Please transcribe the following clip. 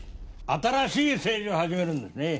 新しい政治を始めるんですね。